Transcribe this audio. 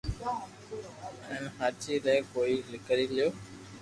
ھين ھاچي لي ڪوئي ڪري ليو